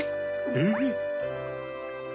えっ？